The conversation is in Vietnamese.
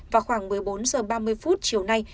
vào khoảng một mươi bốn h ba mươi phút chiều nay